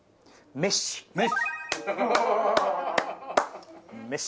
メッシ。